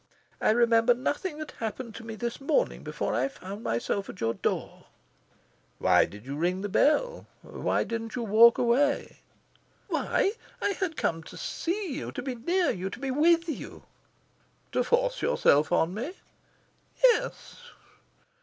I remember nothing that happened to me this morning before I found myself at your door." "Why did you ring the bell? Why didn't you walk away?" "Why? I had come to see you, to be near you, to be WITH you." "To force yourself on me." "Yes."